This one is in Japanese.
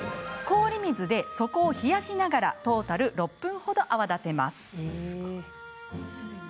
氷水で底を冷やしながらトータル６分ほど泡立てます。